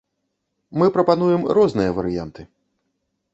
Мы прапануем розныя варыянты.